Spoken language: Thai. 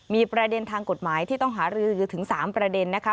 มีประเด็นทางกฎหมายที่ต้องหารือถึง๓ประเด็นนะคะ